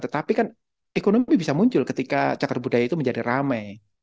tetapi kan ekonomi bisa muncul ketika cakar budaya itu menjadi ramai